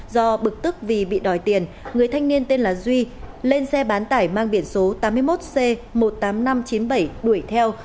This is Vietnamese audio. do bực tức vì bị đòi tiền người thanh niên tên là duy lên xe bán tải mang biển số tám mươi một c một mươi tám nghìn năm trăm chín mươi bảy đuổi theo